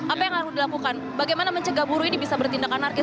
apa yang harus dilakukan bagaimana mencegah buruh ini bisa bertindak anarkis